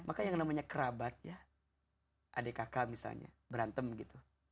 maka yang namanya kerabat ya adik kakak misalnya berantem gitu